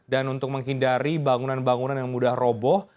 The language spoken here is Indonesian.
dan untuk menghindari bangunan bangunan yang mudah roboh